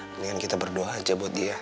mendingan kita berdua aja buat dia